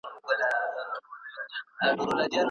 ایا دا ماشین په بیټرۍ کار کوي؟